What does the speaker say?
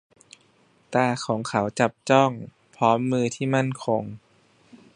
ตาของเขาจับจ้อง พร้อมมือที่มั่นคง